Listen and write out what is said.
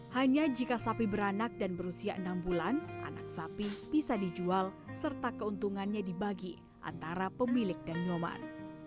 hanya jika sapi beranak dan berusia enam bulan anak sapi bisa dijual serta keuntungannya dibagi antara pemilik dan nyoman